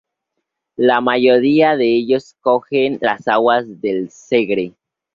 La mayoría de ellos cogen las aguas del Segre.